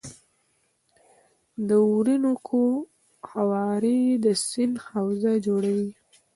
د اورینوکو هوارې د سیند حوزه جوړوي.